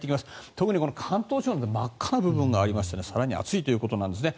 特に関東地方真っ赤な部分がありまして更に暑いということなんですね。